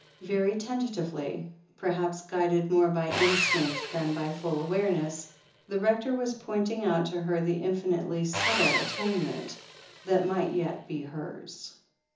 Very tentatively, perhaps guided more by instinct than by full awareness, the Rector was pointing out to her the infinitely subtle atonement that might yet be hers.